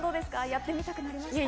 やってみたくなりました？